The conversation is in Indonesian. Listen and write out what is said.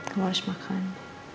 kamu harus makan